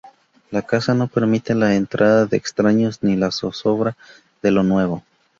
La casa no permite la entrada de extraños ni la zozobra de lo nuevo.